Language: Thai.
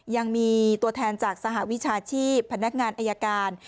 ยังมีตัวแทนจากสหวิชาชีพพนักงานอายการ